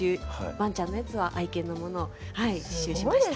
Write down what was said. ワンちゃんのやつは愛犬のものを刺繍しました。